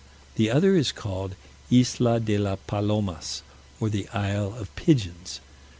The other is called Isla de la Palomas, or the Isle of Pigeons.